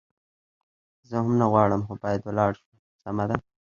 زه هم نه غواړم، خو باید ولاړ شو، سمه ده.